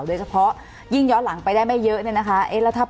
โดยเฉพาะยิ่งย้อนหลังไปได้ไม่เยอะเนี่ยนะคะ